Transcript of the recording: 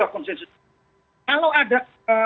konsensus itu kalau ada